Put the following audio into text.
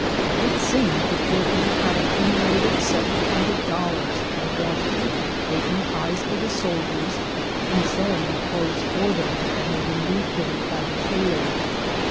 It seemed the poor thing liad accumulated several hundred dollars by washing, baking pies for the soldiers, and sew^ing the clothes for them that had been refitted by the tailor.